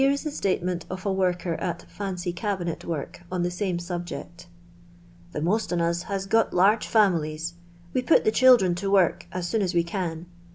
4 the suitcnient of a worker at "fancy cabini't ' work on the same mbject :—" Tlii^ nio>t on us h:i5 got large families. We put the cijildu n to work a« soon as we can.